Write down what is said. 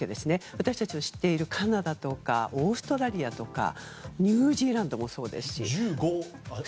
私たちが知っているカナダとかオーストラリアとかニュージーランドもそうですし。